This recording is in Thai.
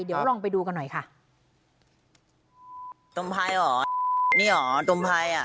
เดี๋ยวเราลองไปดูกันหน่อยค่ะตรมไพ่อ๋อนี่อ๋อตรมไพ่อ่ะ